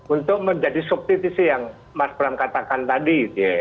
untuk menjadi substitusi yang mas bram katakan tadi